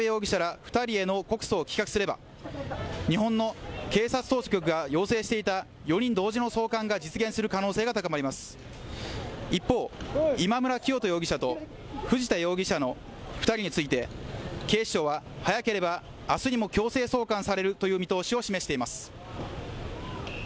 二人への告訴を棄却すれば日本の警察当局が要請していた４人同時の送還が実現する可能性が高まります一方今村磨人容疑者と藤田容疑者の二人について警視庁は早ければ明日にも強制送還されるという見通しを示しています